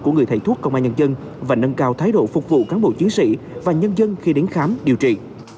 của người thầy thuốc công an nhân dân và nâng cao thái độ phục vụ cán bộ chiến sĩ và nhân dân khi đến khám điều trị